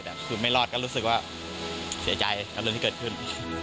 แต่คือไม่รอดก็รู้สึกว่าเสียใจกับเรื่องที่เกิดขึ้น